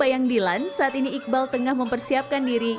wayang dilan saat ini iqbal tengah mempersiapkan diri